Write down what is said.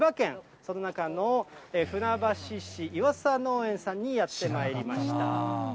その中の船橋市、岩佐農園さんにやってまいりました。